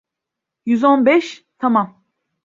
Yüz on beş… Tamam…